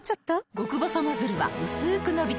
極細ノズルはうすく伸びて